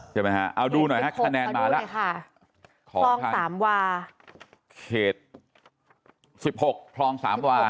ใช่ไหมฮะเอาดูหน่อยฮะคะแนนมาแล้วเอาดูหน่อยค่ะฟรองสามวาเขตสิบหกฟรองสามวา